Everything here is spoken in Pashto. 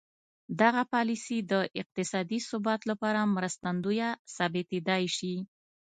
دغه پالیسي د اقتصادي ثبات لپاره مرستندویه ثابتېدای شي.